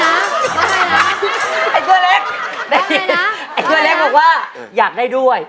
ไอ้ตัวเล็กไอ้ตัวเล็กบอกว่าอยากได้ด้วย